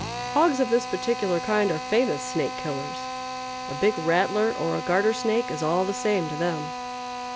Hogs of this particular kind are famous snake killers a big rattler or a garter snake is all the same to them.